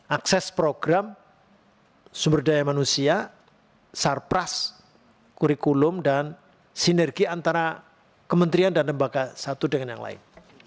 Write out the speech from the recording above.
akses program sumber daya manusia sarpras kurikulum dan sinergi antara kementerian dan lembaga satu dengan yang lain